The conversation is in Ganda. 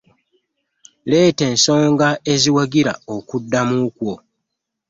Leeta ensonga eziwagira okuddamu kwo.